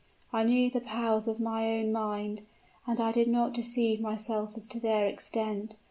I knew the powers of my own mind, and I did not deceive myself as to their extent.